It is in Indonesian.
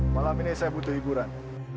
malam ini saya butuh hiburan